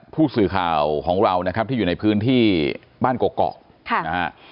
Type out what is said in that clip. ผู้สื่อข่าวของเรานะครับที่อยู่ในพื้นที่บ้านเกาะนะฮะ